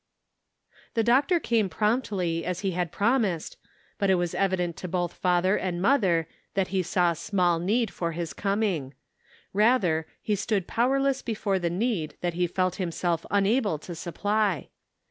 The doctor came promptly as he had prom Measured by Trial. 353 ised ; but it was evident to both father and mother that he saw small need for his coining ; rather, he stood powerless before the need that he felt himself unable to supply.